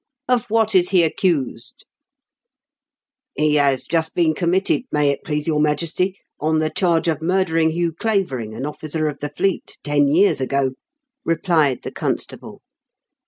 "Of what is he accused ?" '*He has just been committed, may it please your Majesty, on the charge of mur dering Hugh Clavering, an officer of the fleet, ten years ago," replied the constable.